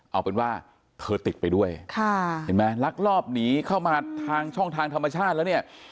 เอาเป็นว่าเธอติดไปด้วยค่ะเห็นไหมลักลอบหนีเข้ามาทางช่องทางธรรมชาติแล้วเนี่ย